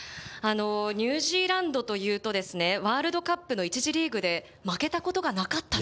ニュージーランドというと、ワールドカップの１次リーグで負けたことがなかった。